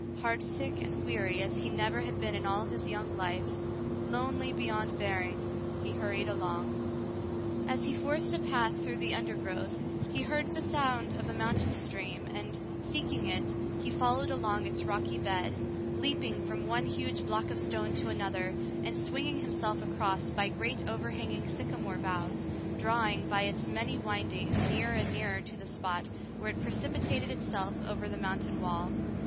Heartsick and weary as he never had been in all his young life, lonely beyond bearing, he hurried along. As he forced a path through the undergrowth, he heard the sound of a mountain stream, and, seeking it, he followed along its rocky bed, leaping from one huge block of stone to another, and swinging himself across by great over hanging sycamore boughs, drawing, by its many windings, nearer and nearer to the spot where it precipitated itself over the mountain wall.